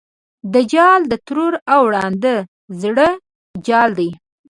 دا جال د ترور او ړانده زوړ جال دی.